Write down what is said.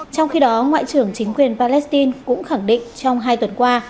trong khi đó ngoại trưởng chính quyền palestine cũng khẳng định trong hai tuần qua